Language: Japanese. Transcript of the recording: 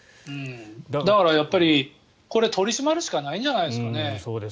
だからこれは取り締まるしかないんじゃないですかね。